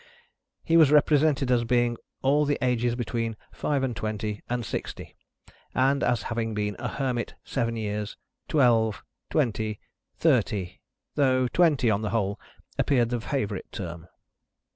He was represented as being all the ages between five and twenty and sixty, and as having been a hermit seven years, twelve, twenty, thirty, though twenty, on the whole, appeared the favourite term.